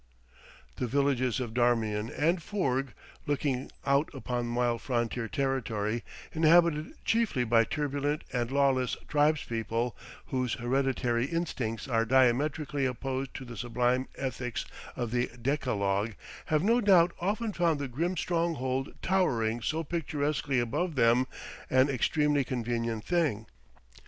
The villages of Darmian and Foorg, looking out upon wild frontier territory, inhabited chiefly by turbulent and lawless tribes people whose hereditary instincts are diametrically opposed to the sublime ethics of the decalogue have no doubt often found the grim stronghold towering so picturesquely above them an extremely convenient thing.